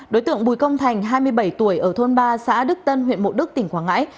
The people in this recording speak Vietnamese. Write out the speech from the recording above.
đối tượng bùi công thành hai mươi bảy tuổi ở thôn ba xã đức tân huyện mộ đức tỉnh quảng ngãi